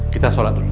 kita sholat dulu